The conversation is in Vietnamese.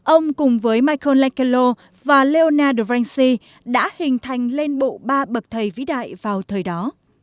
ông cùng với michael lancelot và leonardo da vinci đã hình thành lên bộ ba bậc thầy vĩ đại vào thời đó